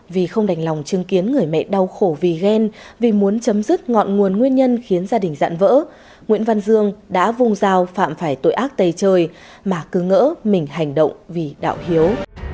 vì không đành lòng chứng kiến người mẹ đau khổ vì ghen vì muốn chấm dứt ngọn nguồn nguyên nhân khiến gia đình dạn vỡ nguyễn văn dương đã vung dao phạm phải tội ác tây trời mà cứ ngỡ mình hành động vì đạo hiếu